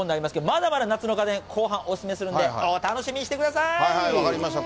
まだまだ夏の家電、後半おすすめするんで、お楽しみにしてくださはいはい、分かりました。